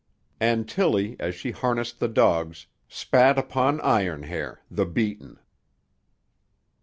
And Tillie, as she harnessed the dogs, spat upon Iron Hair, the beaten.